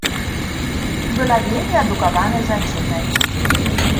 Была вельмі адукаванай жанчынай.